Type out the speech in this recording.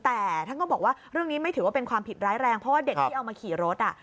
แต่ท่านก็บอกว่าเรื่องนี้ไม่ถือว่าเป็นความผิดร้ายแรงเพราะว่าเด็กที่เอามาขี่รถ